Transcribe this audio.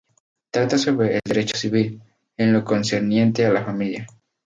Trata sobre el derecho civil, en lo concerniente a la familia.